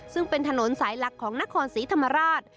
ซึ่งเป็นถนนสายหลักของนครศรีธรรมราช